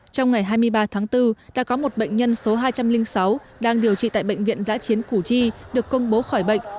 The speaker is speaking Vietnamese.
trong ngày hai mươi ba tháng bốn đã có một bệnh nhân số hai trăm linh sáu đang điều trị tại bệnh viện giã chiến củ chi được công bố khỏi bệnh